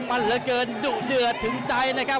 มันเหลือเกินดุเดือดถึงใจนะครับ